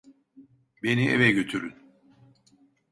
Beni eve götürün.